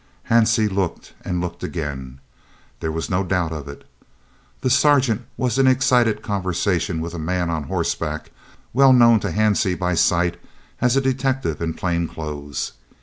Hansie looked and looked again. There was no doubt of it. The sergeant was in excited conversation with a man on horseback, well known to Hansie by sight as a detective in plain clothes.